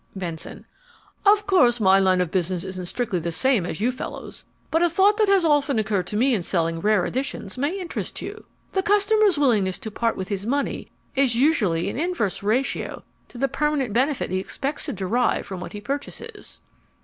BENSON Of course my line of business isn't strictly the same as you fellows'. But a thought that has often occurred to me in selling rare editions may interest you. The customer's willingness to part with his money is usually in inverse ratio to the permanent benefit he expects to derive from what he purchases.